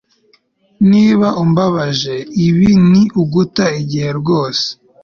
niba umbajije, ibi ni uguta igihe rwose